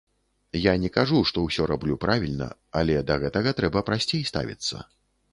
Я не кажу, што ўсё раблю правільна, але да гэтага трэба прасцей ставіцца.